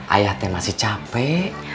ayah teh masih capek